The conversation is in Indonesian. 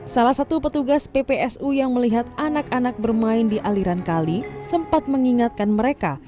salah satu petugas ppsu yang melihat anak anak bermain di aliran kali sempat mengingatkan mereka